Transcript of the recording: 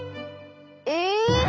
え！